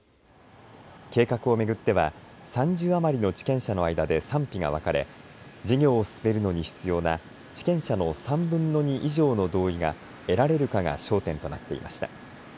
計画を巡っては３０余りの地権者の間で賛否が分かれ事業を進めるのに必要な地権者の３分の２以上の同意が得られるかが焦点となっていました。